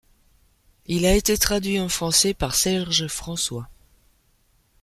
Il a été traduit en français par Serge François.